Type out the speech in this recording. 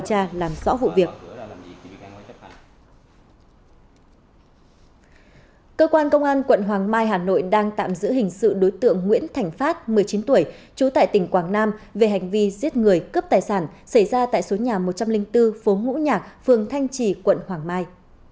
cơ quan công an quận hoàng mai hà nội đang tạm giữ hình sự đối tượng nguyễn thành phát một mươi chín tuổi trú tại tỉnh quảng nam về hành vi giết người cướp tài sản xảy ra tại số nhà một trăm linh bốn phố ngũ nhạc phường thanh trì quận hoàng mai